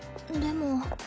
でも。